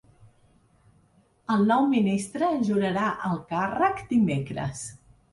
El nou ministre jurarà el càrrec dimecres.